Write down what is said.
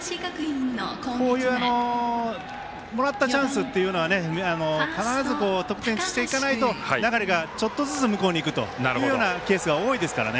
こういうもらったチャンスというのは必ず、得点にしていかないと流れがちょっとずつ向こうにいくというようなケースが多いですからね。